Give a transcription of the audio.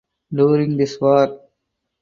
During this war.